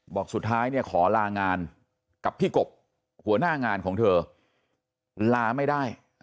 บอกสุดท้ายเนี่ยขอลางานกับพี่กบหัวหน้างานของเธอลาไม่ได้